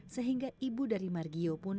sehingga ibu dari margio pun